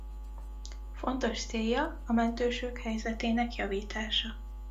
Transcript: Fontos célja a mentősök helyzetének javítása.